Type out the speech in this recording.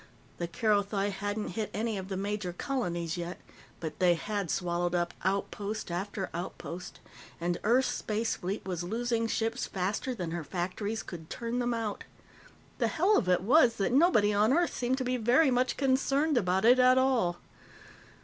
The Kerothi hadn't hit any of the major colonies yet, but they had swallowed up outpost after outpost, and Earth's space fleet was losing ships faster than her factories could turn them out. The hell of it was that nobody on Earth seemed to be very much concerned about it at all.